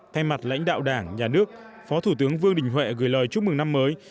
thay mặt lãnh đạo đảng nhà nước phó thủ tướng vương đình huệ gửi lời chúc mừng năm mới